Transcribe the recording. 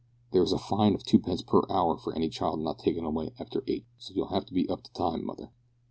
There is a fine of twopence per hour for any child not taken away after eight, so you'll have to be up to time, mother."